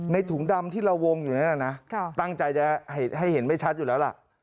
ถุงดำที่เราวงอยู่นั้นนะตั้งใจจะให้เห็นไม่ชัดอยู่แล้วล่ะ